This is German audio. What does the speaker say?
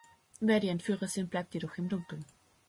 Wer die Entführer sind, bleibt jedoch im Dunkeln.